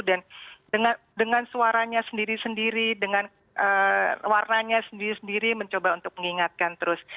dan dengan suaranya sendiri sendiri dengan warnanya sendiri sendiri mencoba untuk mengingatkan terus